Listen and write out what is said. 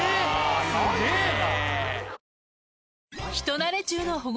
すげぇな！